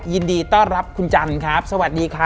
ยินดีต้อนรับคุณจันทร์ครับสวัสดีครับ